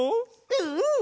うん！